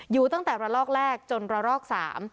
อยู่ตั้งแต่ระลอกแรกจนระลอกสาม